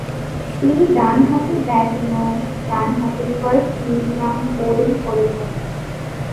তিনি ডানহাতে ব্যাটিং ও ডানহাতে ফাস্ট মিডিয়াম বোলিং করে থাকেন।